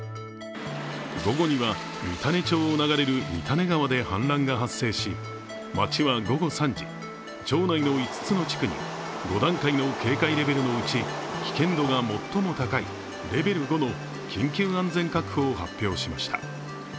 午後には三種町を流れる三種川で氾濫が発生し、町は午後３時、町内の５つの地区に５段階の警戒レベルのうち危険度が最も高いレベル５の緊急安全確保を発表しました。